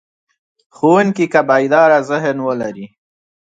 ښوونکی که بیداره ذهن ولري.